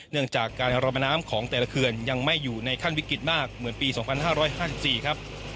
เนื่องจากการรอบน้ำน้ำของแต่ละเคือนยังไม่อยู่ในขั้นวิกฤตมากเหมือนปีสองพันห้าร้อยห้าสิบสี่ครับ